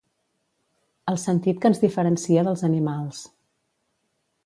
El sentit que ens diferencia dels animals.